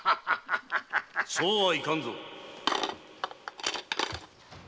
・そうはゆかんぞ！